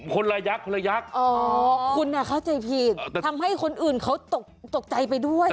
คุณเนี้ยเข้าใจผีทำให้คนอื่นเขาตกใจไปด้วย